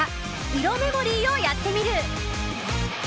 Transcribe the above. イロメモリーをやってみる。